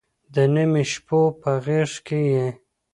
د نيمو شپو په غېږ كي يې